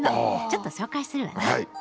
ちょっと紹介するわね。